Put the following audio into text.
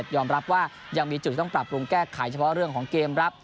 ยอมรับว่ายังมีจุดที่ต้องปรับปรุงแก้ไขเฉพาะเรื่องของเกมรับ